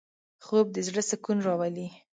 خوب د زړه سکون راولي